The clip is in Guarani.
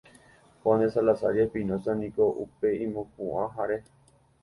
Juan de Salazar y Espinoza niko upe imopuʼãhare.